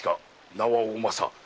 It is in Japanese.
名はお政。